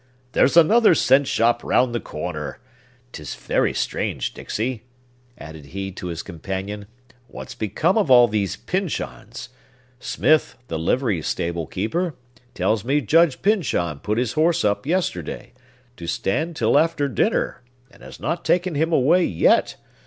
"There's another cent shop round the corner. 'Tis very strange, Dixey," added he to his companion, "what's become of all these Pyncheon's! Smith, the livery stable keeper, tells me Judge Pyncheon put his horse up yesterday, to stand till after dinner, and has not taken him away yet.